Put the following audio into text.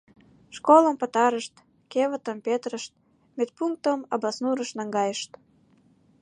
Школым пытарышт, кевытым петырышт, медпунктым Абаснурыш наҥгайышт.